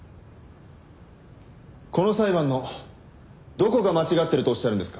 この裁判のどこが間違ってるとおっしゃるんですか？